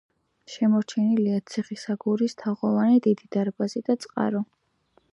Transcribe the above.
შემორჩენილია ციხის აგურის თაღოვანი დიდი დარბაზი და წყარო.